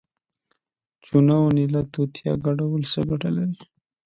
د چونه او نیلا توتیا ګډول څه ګټه لري؟